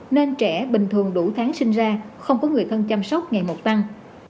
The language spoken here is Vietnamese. nên trẻ bình thường đủ tháng sinh ra không có người thân chăm sóc ngày một tăng